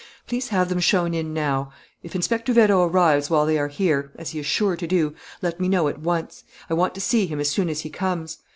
Please have them shown in now. If Inspector Vérot arrives while they are here, as he is sure to do, let me know at once. I want to see him as soon as he comes.